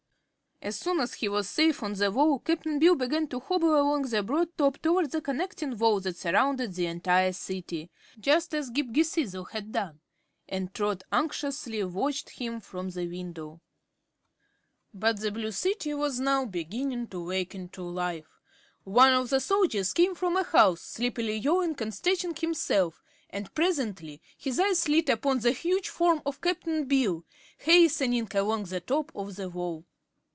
As soon as he was safe on the wall Cap'n Bill began to hobble along the broad top toward the connecting wall that surrounded the entire City just as Ghip Ghisizzle had done and Trot anxiously watched him from the window. But the Blue City was now beginning to waken to life. One of the soldiers came from a house, sleepily yawning and stretching himself, and presently his eyes lit upon the huge form of Cap'n Bill hastening along the top of the wall.